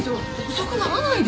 遅くならないでよ。